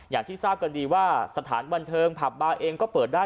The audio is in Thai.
อย่างที่ทราบกันดีว่าสถานบันเทิงผับบาร์เองก็เปิดได้